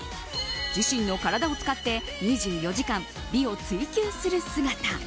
自身の体を使って２４時間、美を追究する姿。